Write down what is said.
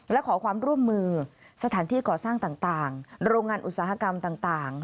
และขอความร่วมมือสถานที่ก่อสร้างต่างโรงงานอุตสาหกรรมต่าง